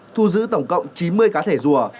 thu giữ tổng cộng chín mươi cá thể rùa